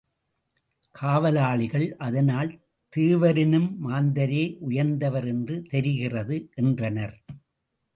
காவலாளிகள், அதனால் தேவரினும் மாந்தரே உயர்ந்தவர் என்று தெரிகிறது என்றனர்.